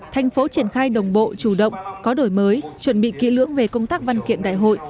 thành phố triển khai đồng bộ chủ động có đổi mới chuẩn bị kỹ lưỡng về công tác văn kiện đại hội